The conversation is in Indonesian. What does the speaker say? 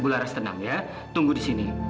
laras tenang ya tunggu di sini